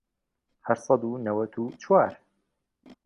هەشت سەد و نەوەت و چوار